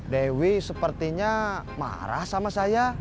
dewi sepertinya marah sama saya